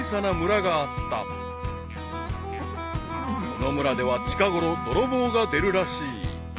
［この村では近ごろ泥棒が出るらしい］